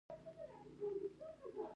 خوب د درملو نه بهتره آرامي ده